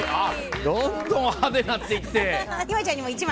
どんどん派手なっていって。